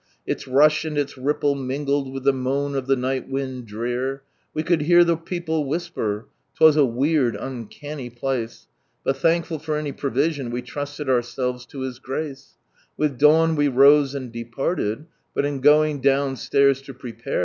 lis rush and its ripple mingled with the moan of the nit; ht wind drear. We eould hear (he people whisper ; 'twos a weird uncanny place. But thankful for any provision we trusted ourselves to His Grace. With dawn we rose and departed, but in going downstairs ID prepare.